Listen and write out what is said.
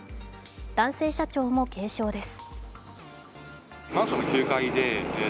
男性社長も軽傷です。